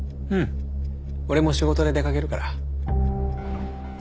俺も仕事で出かけるから。